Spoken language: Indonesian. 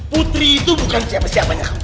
putri itu bukan siapa siapanya